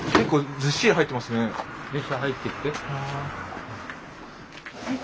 ずっしり入ってるっぺ。